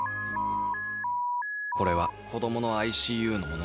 「これは子供のＩＣＵの物語」